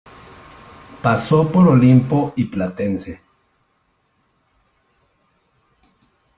Pasó por Olimpo y Platense.